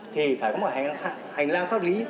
thì phải có một hành lang pháp lý